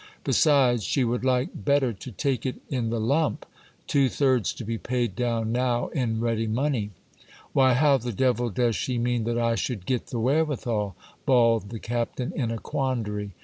Besides, she would like better to take it in the lump ; two thirds to be paid down now in ready money. Why, how the devil does she mean that I should get the wherewithal ? bawled the cap tain in a quandary.